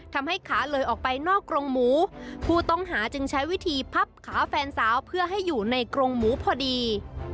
ทำให้ขาเลยออกไปนอกกรงหมูผู้ต้องหาจึงใช้วิธีพับขาแฟนสาวเพื่อให้อยู่ในกรงหมูพอดี